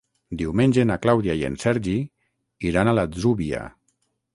Diumenge na Clàudia i en Sergi iran a l'Atzúbia.